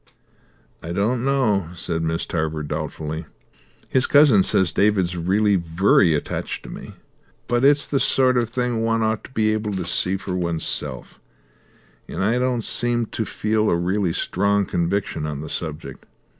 "I don't know," said Miss Tarver doubtfully. "His cousin says David's really vurry attached to me, but it's the sort of thing one ought to be able to see for oneself, and I don't seem to feel a really strong conviction on the subject.